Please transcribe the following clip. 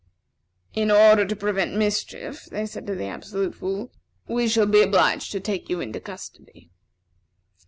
"In order to prevent mischief," they said to the Absolute Fool, "we shall be obliged to take you into custody."